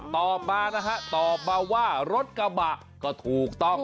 ตอบมานะฮะตอบมาว่ารถกระบะก็ถูกต้อง